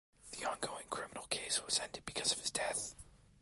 The ongoing criminal case was ended because of his death.